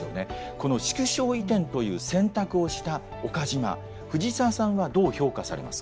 この縮小移転という選択をした岡島藤沢さんはどう評価されますか？